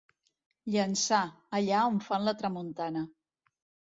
Llançà, allà on fan la tramuntana.